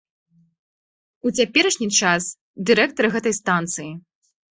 У цяперашні час дырэктар гэтай станцыі.